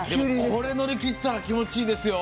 これを乗り切ったら気持ちいいですよ。